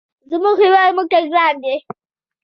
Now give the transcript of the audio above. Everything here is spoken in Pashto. زموږ هېواد موږ ته ګران دی.